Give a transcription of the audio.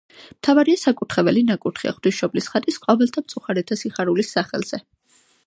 მთავარი საკურთხეველი ნაკურთხია ღვთისმშობლის ხატის ყოველთა მწუხარეთა სიხარულის სახელზე.